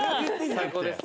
最高です。